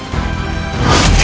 mereka mencari mati